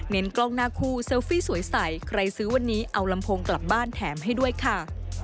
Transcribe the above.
กล้องหน้าคู่เซลฟี่สวยใสใครซื้อวันนี้เอาลำโพงกลับบ้านแถมให้ด้วยค่ะ